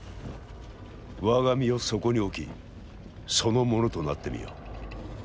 我が身をそこに置きその者となってみよ。